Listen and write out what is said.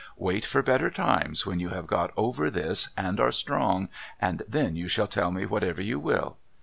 Wait for better times when you have got over this and are strong, and then you shall tell me whatever you will.